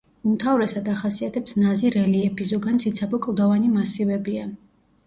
უმთავრესად ახასიათებს ნაზი რელიეფი, ზოგან ციცაბო კლდოვანი მასივებია.